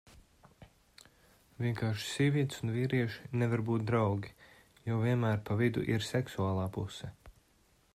Vienkārši sievietes un vīrieši nevar būt draugi, jo vienmēr pa vidu ir seksuālā puse.